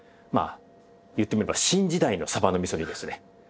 まあ言ってみれば新時代の鯖の味噌煮ですね。